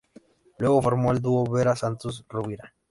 Luego formó el dúo Vera Santos-Rubira.